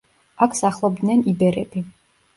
აქ სახლობდნენ იბერები.